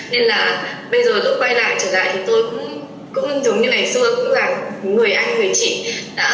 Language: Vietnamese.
nên là bây giờ lúc quay lại trở lại thì tôi cũng giống như ngày xưa